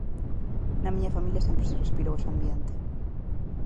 Na miña familia sempre se respirou ese ambiente.